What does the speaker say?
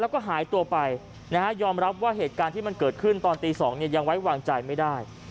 แล้วก็หายตัวไปยอมรับว่าเหตุการณ์ที่มันเกิดขึ้นตอนตี๒ยังไว้วางใจไม่ได้